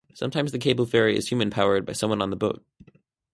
Sometimes the cable ferry is human powered by someone on the boat.